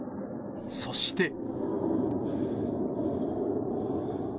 そして。